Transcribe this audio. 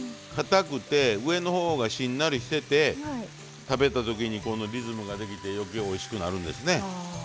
かたくて上の方がしんなりしてて食べた時にリズムができて余計おいしくなるんですね。